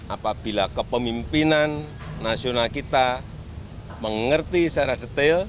apabila kepemimpinan nasional kita mengerti secara detail